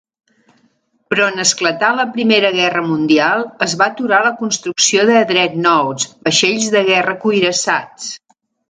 Però en esclatar la Primera Guerra Mundial, es va aturar la construcció de "dreadnoughts", vaixells de guerra cuirassats.